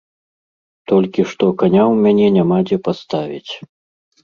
Толькі што каня ў мяне няма дзе паставіць.